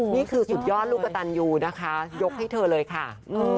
นี่คือสุดยอดลูกกระตันยูนะคะยกให้เธอเลยค่ะ